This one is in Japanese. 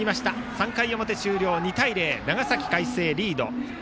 ３回表終了、２対０と長崎・海星リード。